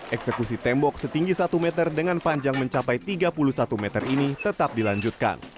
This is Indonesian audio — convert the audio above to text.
eksekusi tembok setinggi satu meter dengan panjang mencapai tiga puluh satu meter ini tetap dilanjutkan